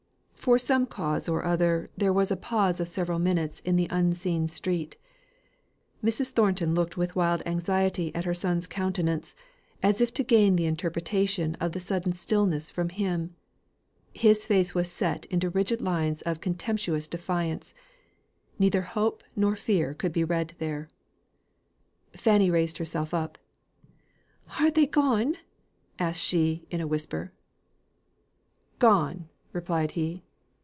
From some cause or other, there was a pause of several minutes in the unseen street. Mrs. Thornton looked with wild anxiety at her son's countenance, as if to gain the interpretation of the sudden stillness from him. His face was set into rigid lines of contemptuous defiance; neither hope nor fear could be read there. Fanny raised herself up: "Are they gone?" asked she, in a whisper. "Gone!" replied he.